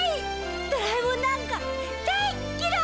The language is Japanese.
ドラえもんなんか大っ嫌い！